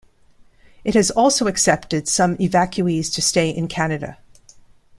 It has also accepted some evacuees to stay in Canada.